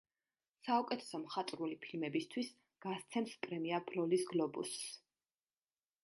საუკეთესო მხატვრული ფილმებისთვის გასცემს პრემია „ბროლის გლობუსს“.